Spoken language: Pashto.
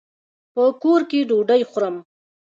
په کور کي ډوډۍ خورم.